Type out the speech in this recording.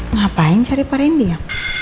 ngapain cari pak randy ya